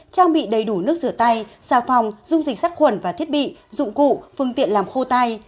trang bị đầy đủ nước rửa tay xà phòng dung dịch sát khuẩn và thiết bị dụng cụ phương tiện làm khô tay